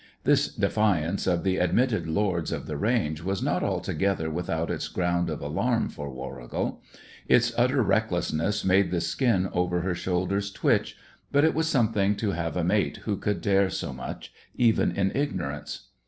This defiance of the admitted lords of the range was not altogether without its ground of alarm for Warrigal; its utter recklessness made the skin over her shoulders twitch, but it was something to have a mate who could dare so much, even in ignorance.